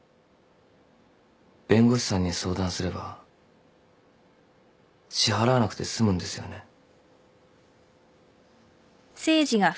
弁護士さんに相談すれば支払わなくて済むんですよね。